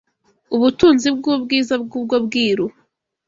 ubutunzi bw’ubwiza bw’ubwo bwiru